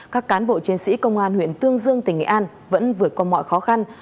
các cán bộ chiến sĩ công an huyện tương dương tỉnh nghệ an vẫn vượt qua mọi khó khăn